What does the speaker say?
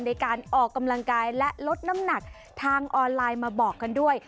ในการออกกำลังกายและลดน้ำหนักทางออนไลน์มาบอกกันด้วย